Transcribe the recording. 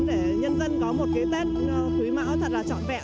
để nhân dân có một tết thúy mãu thật là trọn vẹn